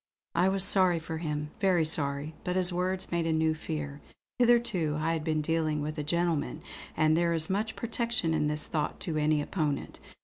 I was sorry for him, very sorry; but his words made a new fear. Hitherto I had been dealing with a gentleman, and there is much protection in this thought to any opponent.